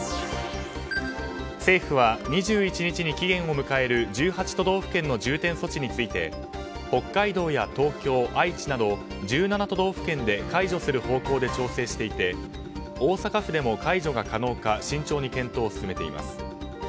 政府は２１日に期限を迎える１８都道府県の重点措置について北海道や東京、愛知など１７都道府県で解除する方向で調整していて大阪府でも解除が可能か慎重に検討を進めています。